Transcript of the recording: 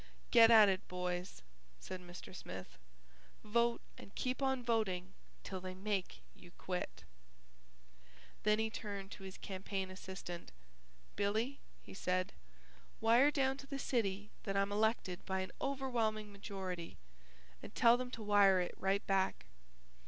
"Get at it, boys," said Mr. Smith, "vote and keep on voting till they make you quit." Then he turned to his campaign assistant. "Billy," he said, "wire down to the city that I'm elected by an overwhelming majority and tell them to wire it right back.